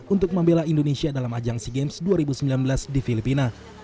untuk membela indonesia dalam ajang sea games dua ribu sembilan belas di filipina